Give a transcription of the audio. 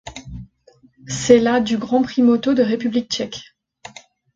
C'est la du Grand Prix moto de République tchèque.